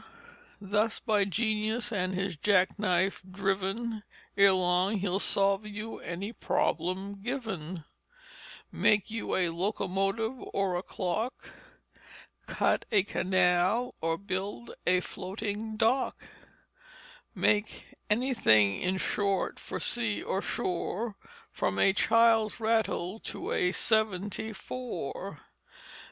Thus by his genius and his jack knife driven Ere long he'll solve you any problem given; Make you a locomotive or a clock, Cut a canal or build a floating dock: Make anything in short for sea or shore, From a child's rattle to a seventy four.